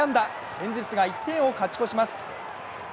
エンゼルスが１点を勝ち越します。